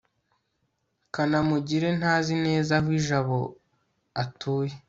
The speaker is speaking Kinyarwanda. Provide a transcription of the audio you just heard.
kanamugire ntazi neza aho jabo atuye